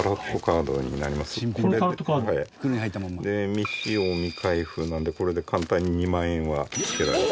未開封なのでこれで簡単に２万円は付けられる。